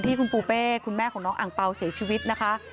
ที่คุณปูเป้คุณแม่ของน้องอังเปล่าเสียชีวิตนะคะ